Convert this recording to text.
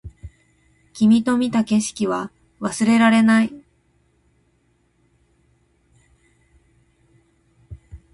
君と見た景色は忘れられない